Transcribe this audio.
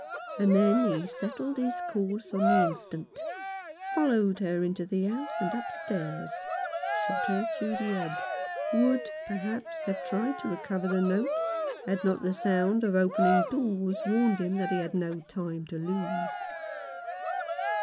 And then he settled his course on the instant ; followed her into the house and upstairs ; shot her through the head— would, perhaps, have tried to recover the notes, had not the sound of opening doors warned him that he had no time to lose.